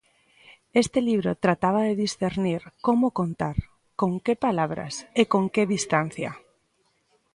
Este libro trataba de discernir como contar, con que palabras e con que distancia.